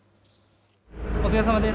お疲れさまです。